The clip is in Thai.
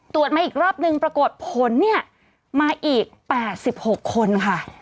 ตรวจมาอีกรอบนึงปรากฏผลเนี่ยมาอีก๘๖คนค่ะ